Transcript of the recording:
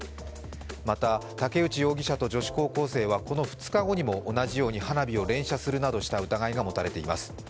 また竹内容疑者と女子高校生はこの２日後にも同じように花火を連射するなどした疑いが持たれています。